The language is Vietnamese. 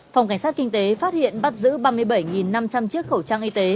phòng cảnh sát kinh tế phát hiện bắt giữ ba mươi bảy năm trăm linh chiếc khẩu trang y tế